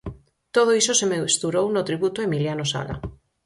Todo iso se mesturou no tributo a Emiliano Sala.